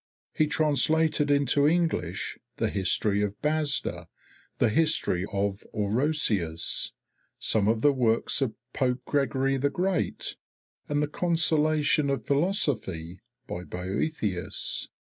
He translated into English the History of Basda, the History of Orosius, some of the works of Pope Gregory the Great, and the Consolation of Philosophy by Boethius.